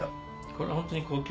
これホントに。